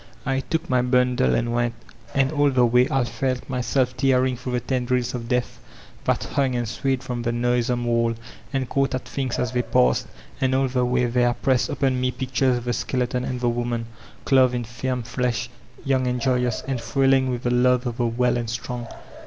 I took my bundle and went And all the way I felt myself tearing through the tendrils of death that hung and swayed from tiie noisome wall, and caught at things as they passed. And all the way there pressed upon me pictures of the skeleton and the woman, clothed in firm flesh, young and joyous, and thrilling with the love of the well and strong.